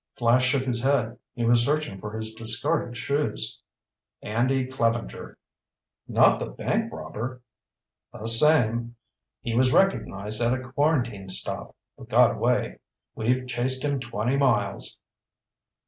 Flash shook his head. He was searching for his discarded shoes. "Andy Clevenger." "Not the bank robber?" "The same. He was recognized at a quarantine stop, but got away. We've chased him twenty miles."